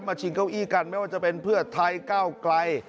ชิงเก้าอี้กันไม่ว่าจะเป็นเพื่อไทยก้าวไกล